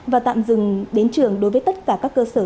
và tạm dừng đến trường đối với tất cả các cơ sở